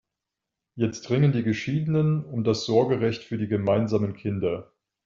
Jetzt ringen die Geschiedenen um das Sorgerecht für die gemeinsamen Kinder.